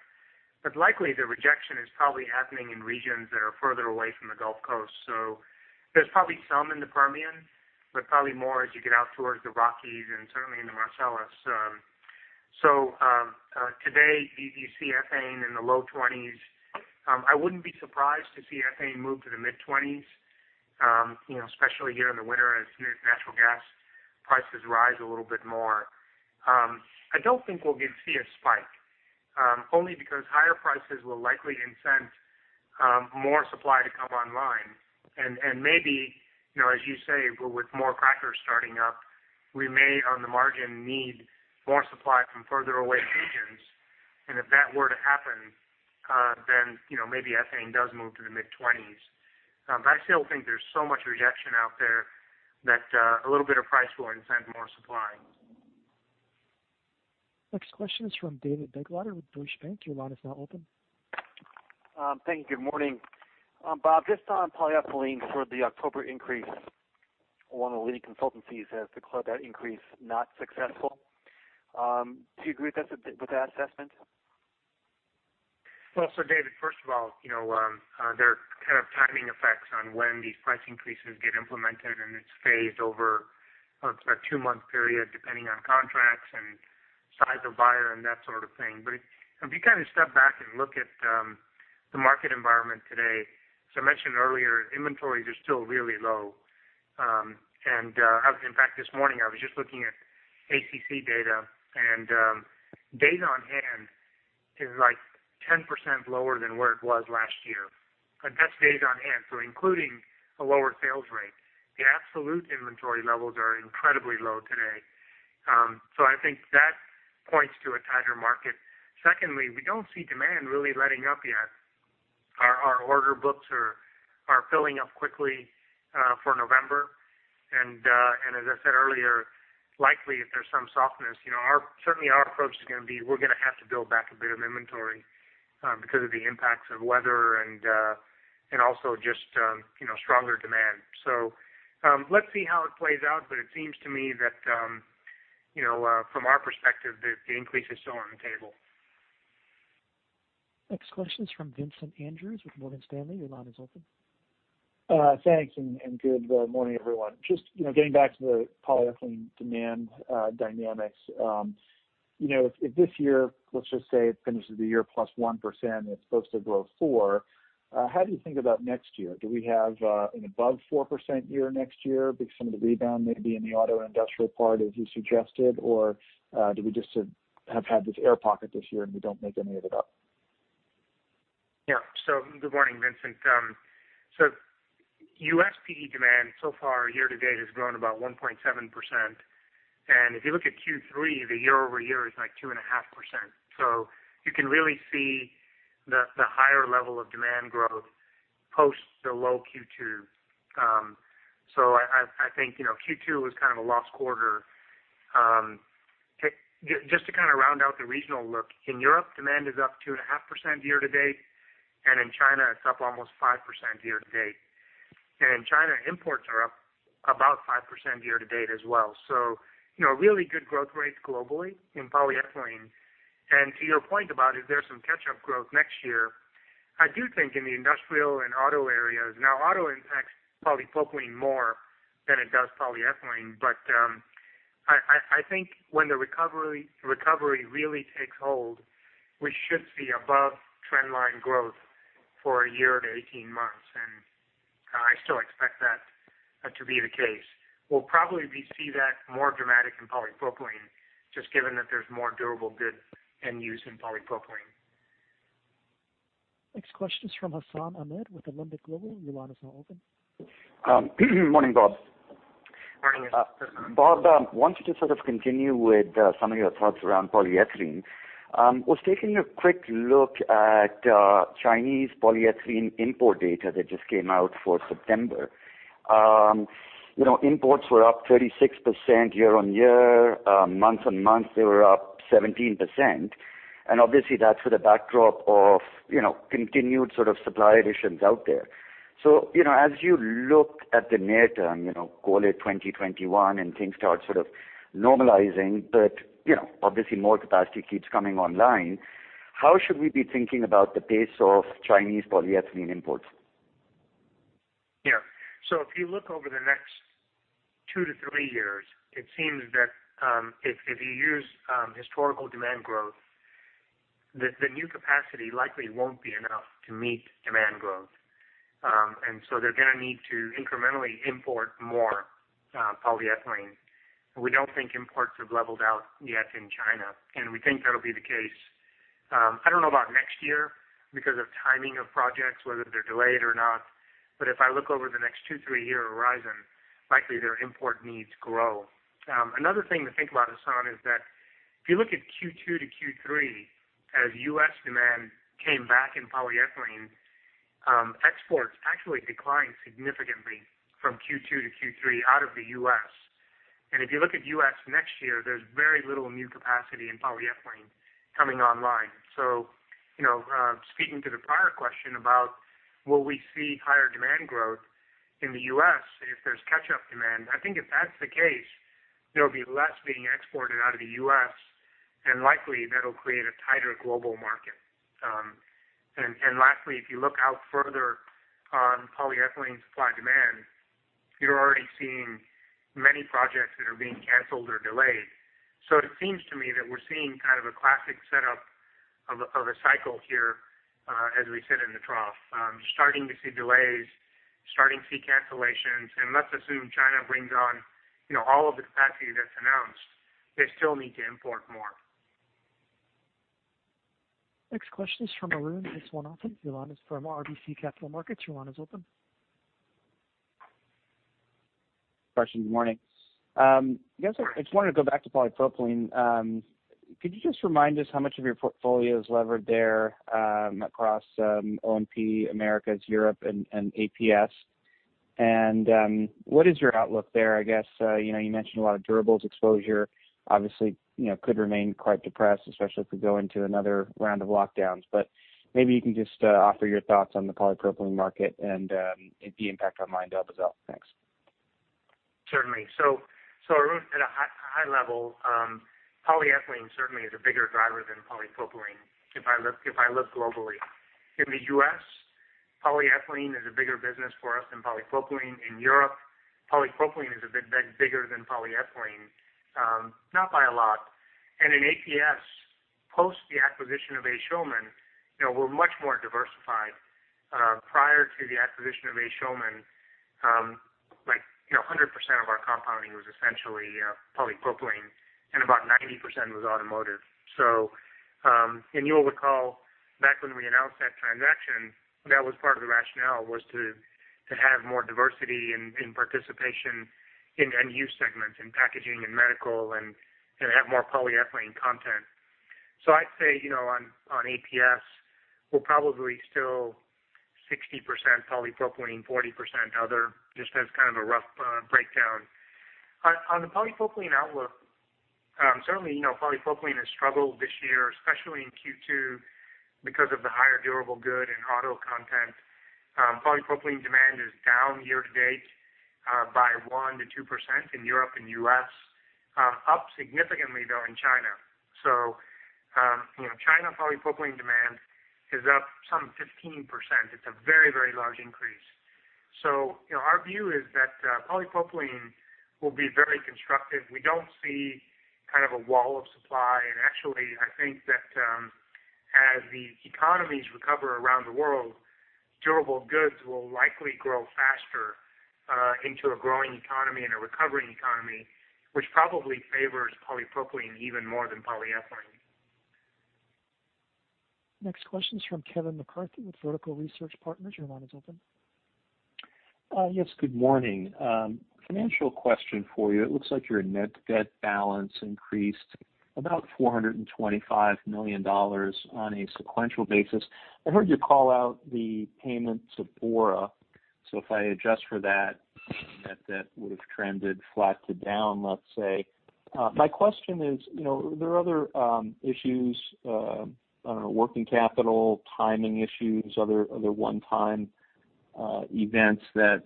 Likely, the rejection is probably happening in regions that are further away from the Gulf Coast. There's probably some in the Permian, probably more as you get out towards the Rockies and certainly in the Marcellus. Today you see ethane in the low $0.20s. I wouldn't be surprised to see ethane move to the mid-$0.20s, especially here in the winter as natural gas prices rise a little bit more. I don't think we'll see a spike. Only because higher prices will likely incent more supply to come online. Maybe, as you say, with more crackers starting up, we may, on the margin, need more supply from further away regions. If that were to happen, then maybe ethane does move to the mid-$0.20s. I still think there's so much rejection out there that a little bit of price will incent more supply. Next question is from David Begleiter with Deutsche Bank. Thank you. Good morning. Bob, just on polyethylene for the October increase. One of the leading consultancies has declared that increase not successful. Do you agree with that assessment? David, first of all, there are kind of timing effects on when these price increases get implemented, and it's phased over a two-month period, depending on contracts and size of buyer and that sort of thing. If you kind of step back and look at the market environment today, as I mentioned earlier, inventories are still really low. In fact, this morning, I was just looking at ACC data, Days on Hand is like 10% lower than where it was last year. That's Days on Hand, including a lower sales rate. The absolute inventory levels are incredibly low today. I think that points to a tighter market. Secondly, we don't see demand really letting up yet. Our order books are filling up quickly for November. As I said earlier, likely if there's some softness, certainly our approach is going to be we're going to have to build back a bit of inventory because of the impacts of weather and also just stronger demand. Let's see how it plays out, but it seems to me that from our perspective, the increase is still on the table. Next question is from Vincent Andrews with Morgan Stanley. Your line is open. Thanks, good morning, everyone. Just getting back to the polyethylene demand dynamics. If this year, let's just say it finishes the year +1%, it's supposed to grow 4%. How do you think about next year? Do we have an above 4% year next year because some of the rebound may be in the auto industrial part, as you suggested? Do we just have had this air pocket this year, and we don't make any of it up? Good morning, Vincent. U.S. PE demand so far year-to-date has grown about 1.7%. If you look at Q3, the year-over-year is like 2.5%. You can really see the higher level of demand growth post the low Q2. I think Q2 was kind of a lost quarter. Just to kind of round out the regional look. In Europe, demand is up 2.5% year-to-date, and in China, it's up almost 5% year-to-date. In China, imports are up about 5% year-to-date as well. Really good growth rates globally in polyethylene. To your point about is there some catch-up growth next year? I do think in the industrial and auto areas. Now, auto impacts polypropylene more than it does polyethylene. I think when the recovery really takes hold, we should see above trendline growth for a year to 18 months. I still expect that to be the case. We'll probably see that more dramatic in polypropylene, just given that there's more durable good end use in polypropylene. Next question is from Hassan Ahmed with Alembic Global. Morning, Bob. Morning. Bob, wanted to sort of continue with some of your thoughts around polyethylene. Was taking a quick look at Chinese polyethylene import data that just came out for September. Imports were up 36% year-on-year. Month-on-month, they were up 17%. Obviously, that's with a backdrop of continued sort of supply additions out there. As you look at the near term, call it 2021, and things start sort of normalizing. Obviously more capacity keeps coming online. How should we be thinking about the pace of Chinese polyethylene imports? Yeah. If you look over the next two-three years, it seems that if you use historical demand growth, that the new capacity likely won't be enough to meet demand growth. They're going to need to incrementally import more polyethylene. We don't think imports have leveled out yet in China, and we think that'll be the case. I don't know about next year because of timing of projects, whether they're delayed or not. If I look over the next two-year, three-year horizon, likely their import needs grow. Another thing to think about, Hassan, is that if you look at Q2-Q3, as U.S. demand came back in polyethylene, exports actually declined significantly from Q2-Q3 out of the U.S. If you look at U.S. next year, there's very little new capacity in polyethylene coming online. Speaking to the prior question about will we see higher demand growth in the U.S. if there's catch-up demand? I think if that's the case, there'll be less being exported out of the U.S., and likely that'll create a tighter global market. Lastly, if you look out further on polyethylene supply demand, you're already seeing many projects that are being canceled or delayed. It seems to me that we're seeing kind of a classic setup of a cycle here as we sit in the trough. Starting to see delays, starting to see cancellations, and let's assume China brings on all of the capacity that's announced, they still need to import more. Next question is from Arun Viswanathan at RBC Capital Markets. Your line is open. (inaudible) good morning. I just wanted to go back to polypropylene. Could you just remind us how much of your portfolio is levered there across O&P Americas, Europe, and APS? What is your outlook there? I guess you mentioned a lot of durables exposure. Obviously, could remain quite depressed, especially if we go into another round of lockdowns. Maybe you can just offer your thoughts on the polypropylene market and the impact on LyondellBasell. Thanks. Certainly. Arun, at a high level, polyethylene certainly is a bigger driver than polypropylene, if I look globally. In the U.S., polyethylene is a bigger business for us than polypropylene. In Europe, polypropylene is a bit bigger than polyethylene, not by a lot. In APS, post the acquisition of A. Schulman, we're much more diversified. Prior to the acquisition of A. Schulman, 100% of our compounding was essentially polypropylene and about 90% was automotive. You'll recall back when we announced that transaction, that was part of the rationale was to have more diversity in participation in end-use segments, in packaging, in medical, and have more polyethylene content. I'd say, on APS, we're probably still 60% polypropylene, 40% other, just as kind of a rough breakdown. On the polypropylene outlook, certainly, polypropylene has struggled this year, especially in Q2 because of the higher durable good and auto content. Polypropylene demand is down year-to-date by 1%-2% in Europe and U.S., up significantly, though, in China. China polypropylene demand is up some 15%. It's a very, very large increase. Our view is that polypropylene will be very constructive. We don't see kind of a wall of supply, and actually, I think that as the economies recover around the world, durable goods will likely grow faster into a growing economy and a recovering economy, which probably favors polypropylene even more than polyethylene. Next question is from Kevin McCarthy with Vertical Research Partners. Your line is open. Yes, good morning. Financial question for you. It looks like your net debt balance increased about $425 million on a sequential basis. I heard you call out the payment to Bora, if I adjust for that, net debt would've trended flat to down, let's say. My question is, are there other issues, working capital, timing issues, other one-time events that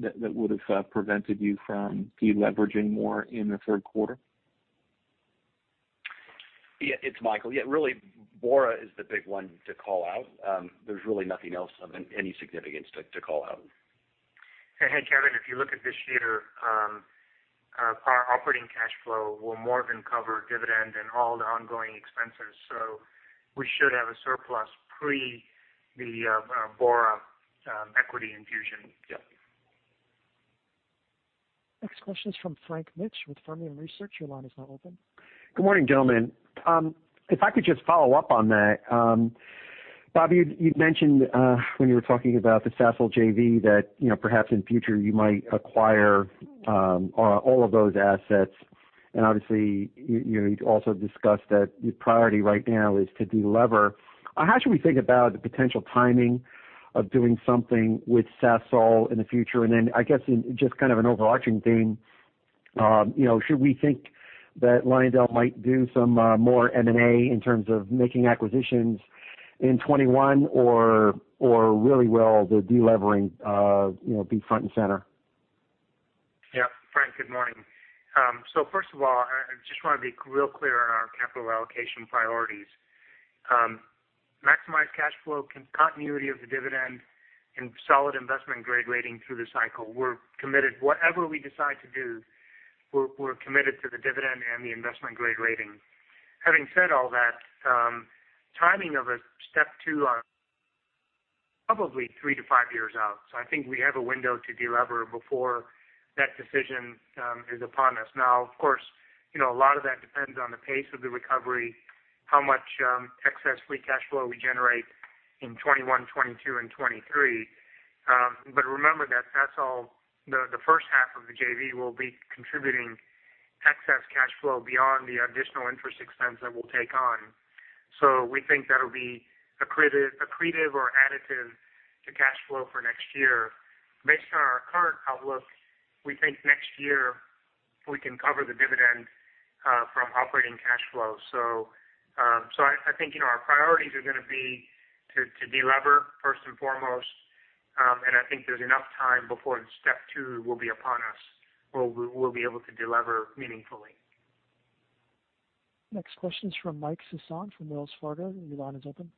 would've prevented you from deleveraging more in the third quarter? Yeah, it's Michael. Yeah, really Bora is the big one to call out. There's really nothing else of any significance to call out. Hey, Kevin, if you look at this year, our operating cash flow will more than cover dividend and all the ongoing expenses. We should have a surplus pre the Bora equity infusion. Yeah. Next question is from Frank Mitsch with Fermium Research. Good morning, gentlemen. If I could just follow up on that. Bob, you'd mentioned when you were talking about the Bora JV that perhaps in future you might acquire all of those assets, and obviously, you'd also discussed that your priority right now is to delever. How should we think about the potential timing of doing something with Bora in the future? I guess in just kind of an overarching theme, should we think that LyondellBasell might do some more M&A in terms of making acquisitions in 2021, or really will the delevering be front and center? Yeah. Frank, good morning. First of all, I just want to be real clear on our capital allocation priorities. Maximized cash flow, continuity of the dividend, and solid investment grade rating through the cycle. Whatever we decide to do, we're committed to the dividend and the investment grade rating. Having said all that, timing of a step two are probably three-five years out, so I think we have a window to delever before that decision is upon us. Now, of course, a lot of that depends on the pace of the recovery, how much excess free cash flow we generate in 2021, 2022, and 2023. Remember that [cash flow], the first half of the JV will be contributing excess cash flow beyond the additional interest expense that we'll take on. We think that'll be accretive or additive to cash flow for next year. Based on our current outlook, we think next year we can cover the dividend from operating cash flow. I think our priorities are going to be to delever first and foremost, and I think there's enough time before step two will be upon us where we'll be able to delever meaningfully. Next question is from Mike Sison from Wells Fargo. Your line is open.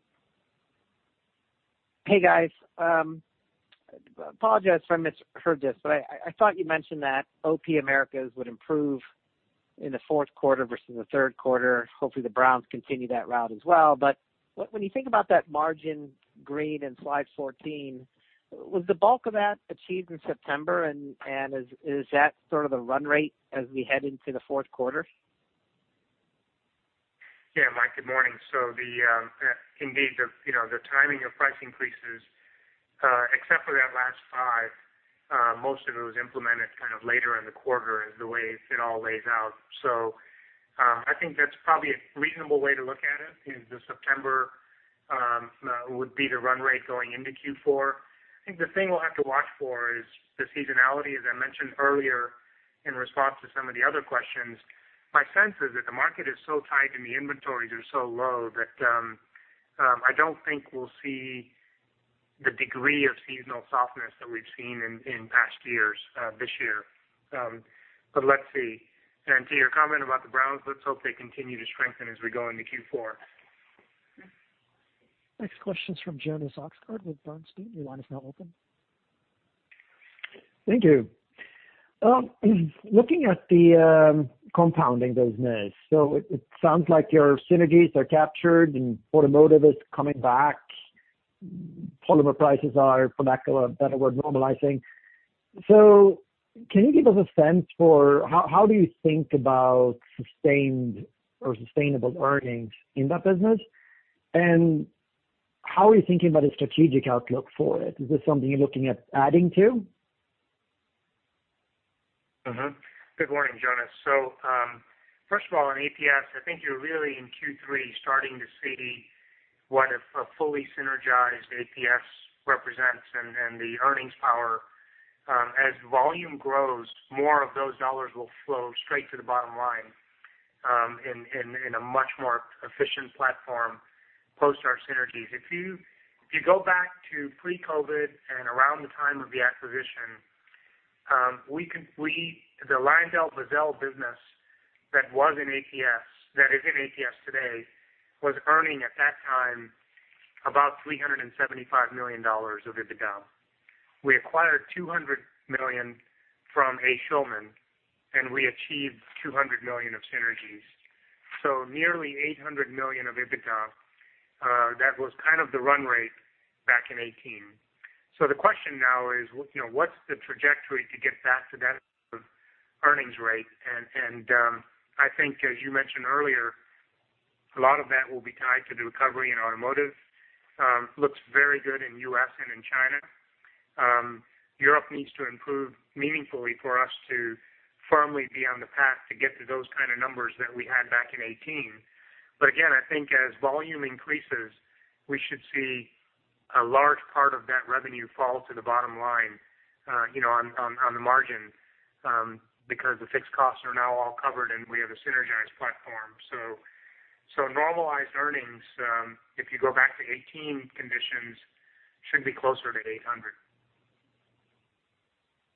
Hey guys. Apologize if I misheard this, but I thought you mentioned that O&P Americas would improve in the fourth quarter versus the third quarter. Hopefully, the Brent continue that route as well. When you think about that margin green in slide 14, was the bulk of that achieved in September and is that sort of the run rate as we head into the fourth quarter? Mike, good morning. Indeed, the timing of price increases except for that last five, most of it was implemented kind of later in the quarter as the way it all lays out. I think that's probably a reasonable way to look at it is the September would be the run rate going into Q4. I think the thing we'll have to watch for is the seasonality, as I mentioned earlier in response to some of the other questions. My sense is that the market is so tight and the inventories are so low that I don't think we'll see the degree of seasonal softness that we've seen in past years this year, but let's see. To your comment about the Brent, let's hope they continue to strengthen as we go into Q4. Next question is from Jonas Oxgaard with Bernstein. Your line is now open. Thank you. Looking at the compounding business, it sounds like your synergies are captured and automotive is coming back. Polymer prices are, for lack of a better word, normalizing. Can you give us a sense for how do you think about sustained or sustainable earnings in that business? How are you thinking about a strategic outlook for it? Is this something you're looking at adding to? Good morning, Jonas. First of all, on APS, I think you're really in Q3 starting to see what a fully synergized APS represents and the earnings power. As volume grows, more of those dollars will flow straight to the bottom line in a much more efficient platform post our synergies. If you go back to pre-COVID and around the time of the acquisition, the LyondellBasell business that is in APS today, was earning at that time about $375 million of EBITDA. We acquired $200 million from A. Schulman, and we achieved $200 million of synergies. Nearly $800 million of EBITDA that was kind of the run rate back in 2018. The question now is, what's the trajectory to get back to that earnings rate? I think as you mentioned earlier, a lot of that will be tied to the recovery in automotive. Looks very good in U.S. and in China. Europe needs to improve meaningfully for us to firmly be on the path to get to those kind of numbers that we had back in 2018. Again, I think as volume increases, we should see a large part of that revenue fall to the bottom line on the margin because the fixed costs are now all covered, and we have a synergized platform. Normalized earnings if you go back to 2018 conditions should be closer to $800 million.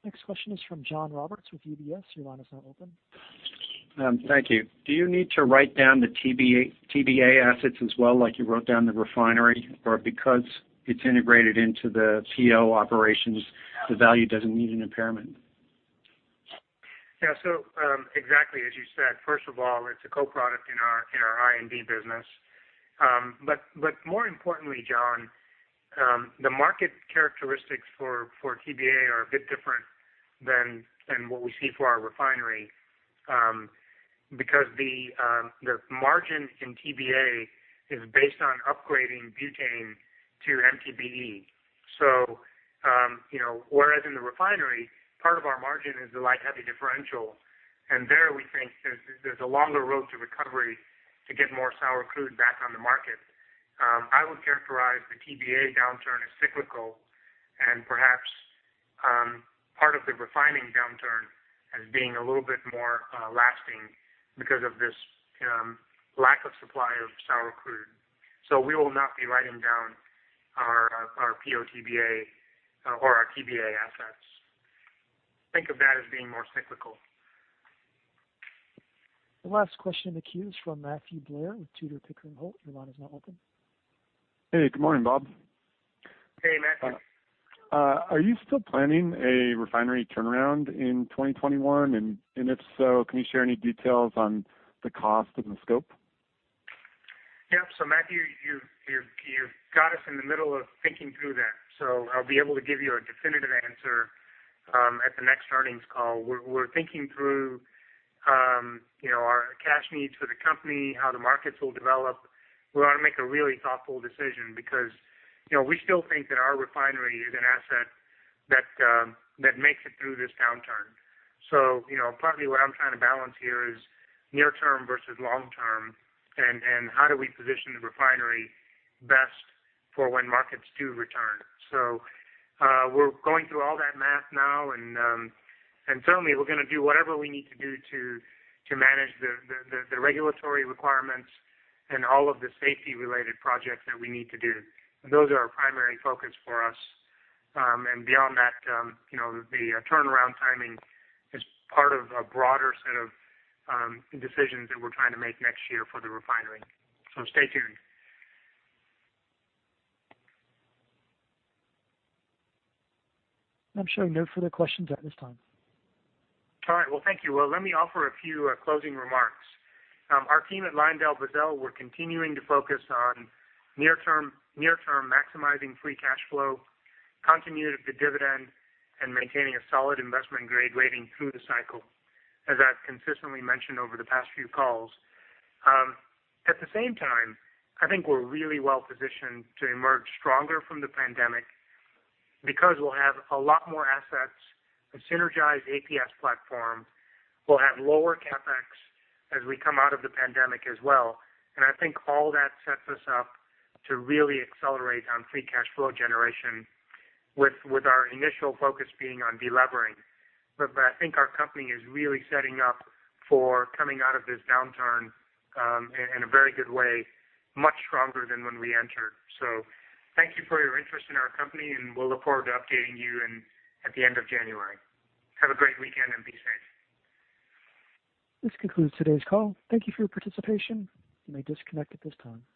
Next question is from John Roberts with UBS. Your line is now open. Thank you. Do you need to write down the TBA assets as well like you wrote down the Refinery? Because it's integrated into the PO operations, the value doesn't need an impairment? Exactly as you said, first of all, it's a co-product in our I&D business. More importantly, John, the market characteristics for TBA are a bit different than what we see for our Refinery because the margin in TBA is based on upgrading butane to MTBE. Whereas in the Refinery, part of our margin is the light-heavy differential. There we think there's a longer road to recovery to get more sour crude back on the market. I would characterize the TBA downturn as cyclical and perhaps part of the refining downturn as being a little bit more lasting because of this lack of supply of sour crude. We will not be writing down our PO/TBA or our TBA assets. Think of that as being more cyclical. The last question in the queue is from Matthew Blair with Tudor, Pickering, Holt. Your line is now open. Hey, good morning, Bob. Hey, Matthew. Are you still planning a refinery turnaround in 2021? If so, can you share any details on the cost and the scope? Yeah. Matthew, you've got us in the middle of thinking through that, so I'll be able to give you a definitive answer at the next earnings call. We're thinking through our cash needs for the company, how the markets will develop. We want to make a really thoughtful decision because we still think that our Refinery is an asset that makes it through this downturn. Partly what I'm trying to balance here is near-term versus long-term, and how do we position the refinery best for when markets do return. We're going through all that math now. Certainly we're going to do whatever we need to do to manage the regulatory requirements and all of the safety related projects that we need to do. Those are our primary focus for us. Beyond that the turnaround timing is part of a broader set of decisions that we're trying to make next year for the Refinery. Stay tuned. I'm showing no further questions at this time. All right. Well, thank you. Well, let me offer a few closing remarks. Our team at LyondellBasell we're continuing to focus on near-term maximizing free cash flow, continuity of the dividend, and maintaining a solid investment-grade rating through the cycle, as I've consistently mentioned over the past few calls. At the same time, I think we're really well positioned to emerge stronger from the pandemic because we'll have a lot more assets, a synergized APS platform. We'll have lower CapEx as we come out of the pandemic as well. I think all that sets us up to really accelerate on free cash flow generation with our initial focus being on delevering. I think our company is really setting up for coming out of this downturn in a very good way, much stronger than when we entered. Thank you for your interest in our company, and we'll look forward to updating you at the end of January. Have a great weekend and be safe. This concludes today's call. Thank you for your participation. You may disconnect at this time.